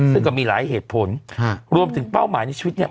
ซึ่งก็มีหลายเหตุผลรวมถึงเป้าหมายในชีวิตเนี่ย